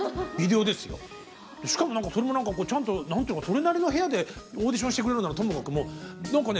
しかもそれも何かちゃんとそれなりの部屋でオーディションしてくれるならともかく何かね